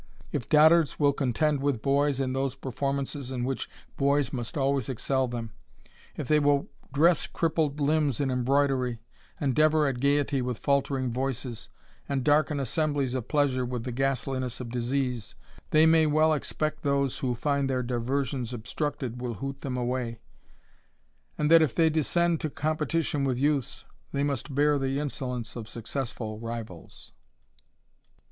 If dotards will contend with boys in those performances in which boys must always excel them; if they will dress crippled limbs in embroidery, endeavour at gaiety with faultcring voices, and darken Msemblies of pleasure with the ghastliness of disease, ttiey may may well expect those who find their diversions obstructed will hoot them away; and that if they descend •" competition with youths, they must bear the of aiccessful rivals.